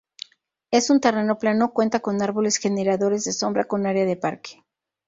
Es un terreno plano cuenta con árboles generadores de sombra con área de parque.